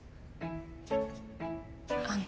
あの。